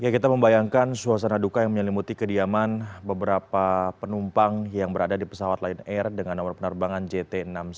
kita membayangkan suasana duka yang menyelimuti kediaman beberapa penumpang yang berada di pesawat lion air dengan nomor penerbangan jt enam ratus sepuluh